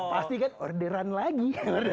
pasti kan orderan lagi